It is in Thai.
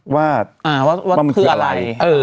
ว่ามันคืออะไร